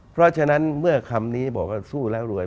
เพราะฉะนั้นเมื่อคำนี้บอกว่าสู้แล้วรวย